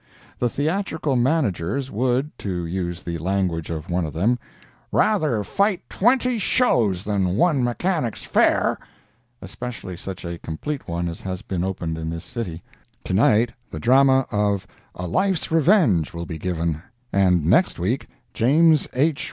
The theatrical managers would—to use the language of one of them—"rather fight twenty shows than one Mechanics' Fair;" especially such a complete one as has been opened in this city...Tonight, the drama of "A Life's Revenge" will be given; and next week James H.